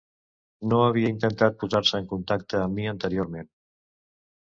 No havia intentat posar-se en contacte amb mi anteriorment.